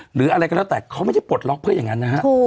หรืออะไรก็แล้วแต่เขาไม่ได้ปลดล็อกเพื่ออย่างนั้นนะฮะ